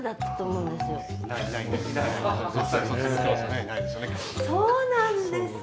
そうなんですか。